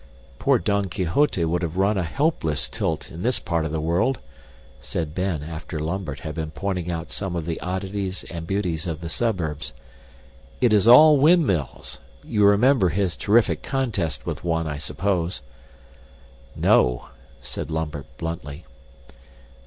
"Poor Don Quixote would have run a hopeless tilt in this part of the world," said Ben after Lambert had been pointing out some of the oddities and beauties of the suburbs. "It is all windmills. You remember his terrific contest with one, I suppose." "No," said Lambert bluntly.